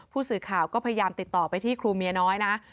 ผู้สื่อข่าวก็พยายามติดต่อไปที่ครูเมียน้อยนะ